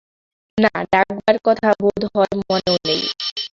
না, ডাকবার কথা বোধ হয় মনেও নেই।